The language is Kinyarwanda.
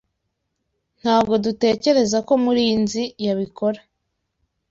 Ntabwo dutekereza ko Murinzi yabikora.